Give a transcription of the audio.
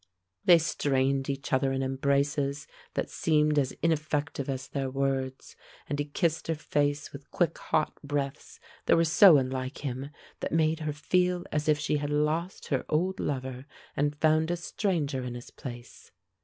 They strained each other in embraces that seemed as ineffective as their words, and he kissed her face with quick, hot breaths that were so unlike him, that made her feel as if she had lost her old lover and found a stranger in his place.